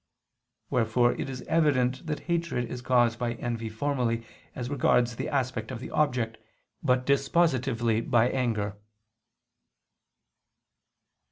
Wherefore it is evident that hatred is caused by envy formally as regards the aspect of the object, but dispositively by anger.